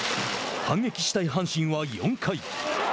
反撃したい阪神は４回。